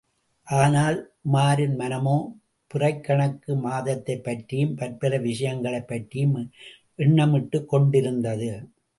ஆனால் உமாரின் மனமோ, பிறைக் கணக்கு மாதத்தைப் பற்றியும், பற்பல விஷயங்களைப் பற்றியும் எண்ணமிட்டுக் கொண்டிருந்தது.